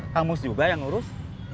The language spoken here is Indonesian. kamus juga yang urus